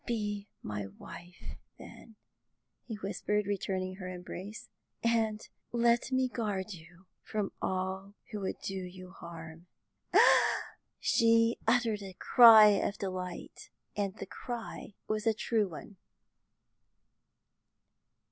"Be my wife, then," he whispered, returning her embrace, "and let me guard you from all who would do you harm." She uttered a cry of delight, and the cry was a true one.